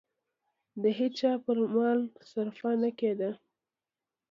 د هېچا پر مال صرفه نه کېده.